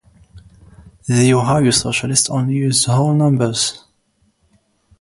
The "Ohio Socialist" only used whole numbers.